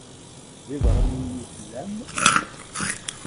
D ibeṛṛaniyen i tellam?